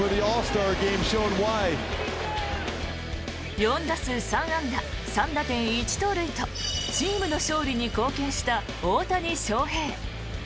４打数３安打３打点１盗塁とチームの勝利に貢献した大谷翔平。